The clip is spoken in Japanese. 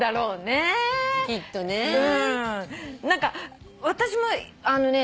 何か私もあのね。